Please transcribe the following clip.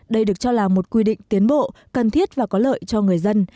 đây được cho là một quy định tiến bộ cần thiết và có lợi cho người dân